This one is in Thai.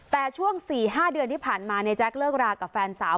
แต่ช่วง๔๕เดือนที่ผ่านมาในแจ๊คเลิกรากับแฟนสาว